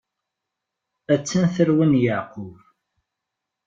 A-tt-an tarwa n Yeɛqub.